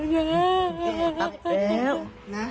ไปไหนมาเล่า